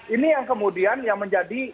ini yang kemudian yang menjadi